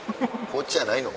こっちじゃないの？